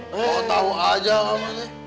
mau tau aja apaan nih